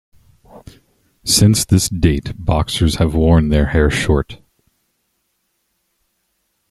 Since this date boxers have worn their hair short.